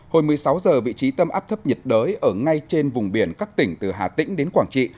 hồi một mươi sáu h vị trí tâm áp thấp nhiệt đới ở ngay trên vùng biển các tỉnh từ hà tĩnh đến quảng trị